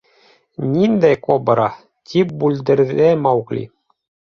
— Ниндәй кобра? — тип бүлдерҙе Маугли.